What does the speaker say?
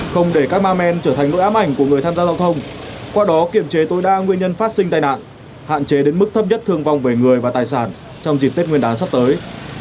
không để các ma men trở thành nỗi ám ảnh của người tham gia giao thông qua đó kiểm chế tối đa nguyên nhân phát sinh tai nạn hạn chế đến mức thấp nhất thương vong về người và tài sản trong dịp tết nguyên đán sắp tới